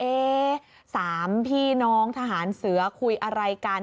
๓พี่น้องทหารเสือคุยอะไรกัน